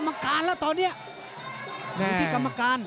หรือว่าผู้สุดท้ายมีสิงคลอยวิทยาหมูสะพานใหม่